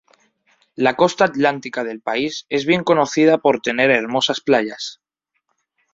La costa atlántica del país es bien conocida por tener hermosas playas.